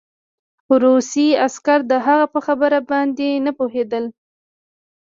روسي عسکر د هغه په خبره باندې نه پوهېدل